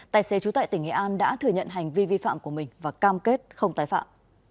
tài xế trú tại tỉnh nghệ an đã thừa nhận hành vi vi phạm của mình và cam kết không tái phạm